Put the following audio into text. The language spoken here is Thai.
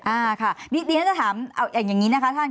อ่าค่ะนี่จะถามอย่างนี้นะคะท่าน